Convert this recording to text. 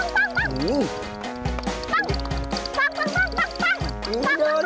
ไม่มีอะไรหรอกลูก